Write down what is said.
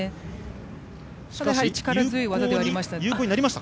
しかし力強い技ではありました。